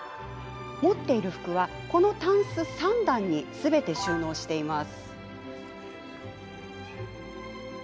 持っている服はこの、たんす３段にすべて収納しています。